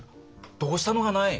どうしたのかない？